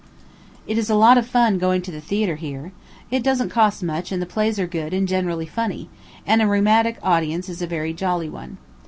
It is a lot of fun going to the theatre here. It doesn't cost much, and the plays are good and generally funny, and a rheumatic audience is a very jolly one.